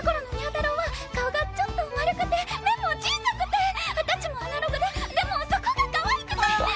太郎は顔がちょっと丸くて目も小さくてタッチもアナログででもそこがかわいくて。